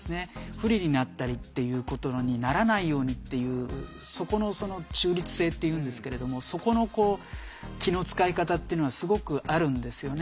不利になったりっていうことにならないようにっていうそこのその中立性っていうんですけれどもそこのこう気の遣い方っていうのはすごくあるんですよね。